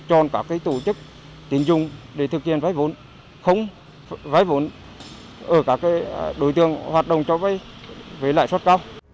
cho tổ chức tín dụng để thực hiện vay vốn không vay vốn ở các đối tượng hoạt động cho vay với lại suất cao